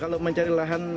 kalau mencari lahan